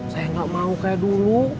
saya nggak mau kayak dulu